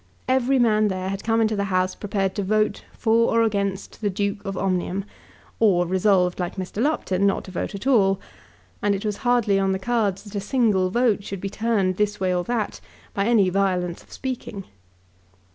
Every man there had come into the House prepared to vote for or against the Duke of Omnium, or resolved, like Mr. Lupton, not to vote at all; and it was hardly on the cards that a single vote should be turned this way or that by any violence of speaking.